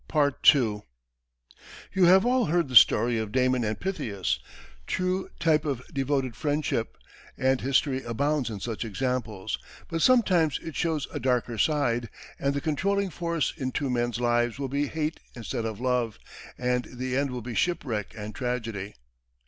You have all heard the story of Damon and Pythias, true type of devoted friendship, and history abounds in such examples; but sometimes it shows a darker side, and the controlling force in two men's lives will be hate instead of love, and the end will be shipwreck and tragedy.